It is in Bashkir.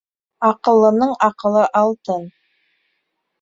Аҡыллының аҡылы алтын.